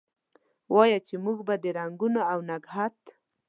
وایه! چې موږ به د رنګونو اونګهت،